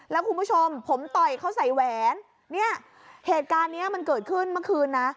แล้วคุณผู้ชมผมต่อยเขาใส่แหวนเนี่ยเหตุการณ์เนี้ยมันเกิดขึ้นเมื่อคืนนะ